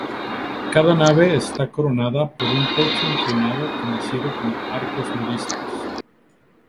Cada nave está coronada por un techo inclinado conocido como arcos moriscos.